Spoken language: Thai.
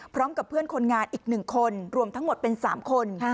พร้อมกับเพื่อนคนงานอีก๑คนรวมทั้งหมดเป็น๓คน